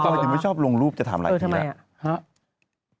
ตัวจริงไม่ชอบลงรูปจะถามหลายทีแล้ว